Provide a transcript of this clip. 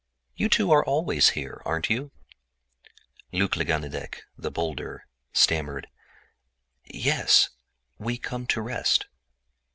You two are always here, aren't you?" Luc le Ganidec, the bolder, stammered: "Yes, we come to rest."